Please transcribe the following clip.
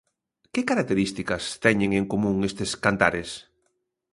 Que características teñen en común estes cantares?